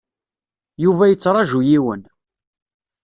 Yuba yettṛaju yiwen.